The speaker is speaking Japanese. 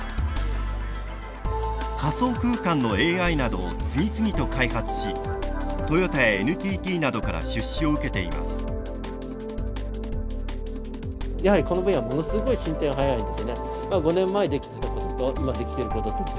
仮想空間のＡＩなどを次々と開発しトヨタやＮＴＴなどから出資を受けています。